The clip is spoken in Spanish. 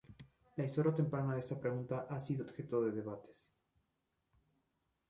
La historia temprana de esta pregunta ha sido objeto de debates.